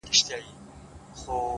كومه يوه خپله كړم-